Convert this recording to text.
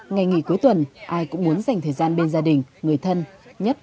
ngày nghỉ cuối tuần ai cũng muốn dành thời gian bên gia đình người thân nhất